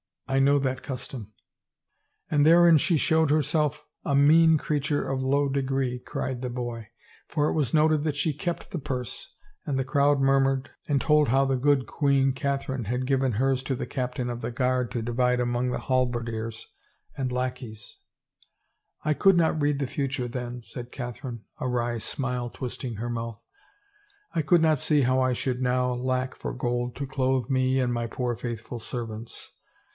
I know that custom." " And therein she showed herself a mean creature of low degree," cried the boy, " for it was noted that she kept the purse, and the crowd murmured and told how the good Queen Catherine had given hers to the captain of the guard to divide among the halberdiers and lackeys —"" I could not read the * future then," said Catherine, a wry smile twisting her mouth. " I could not see how I should now lack for gold to clothe me and my poor faithful servants.